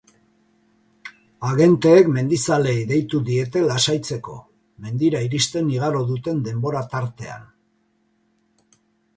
Agenteek mendizaleei deitu diete lasaitzeko, mendira iristen igaro duten denbora-tartean.